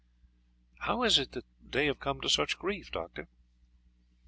"How is it that they have come to such grief, Doctor?"